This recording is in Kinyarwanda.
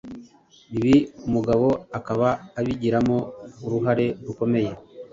ibi umugabo akaba abigiramo uruhare rukomeye